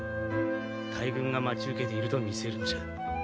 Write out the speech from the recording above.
大軍が待ち受けていると見せるのじゃ。